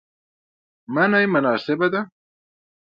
منی مناسبه ده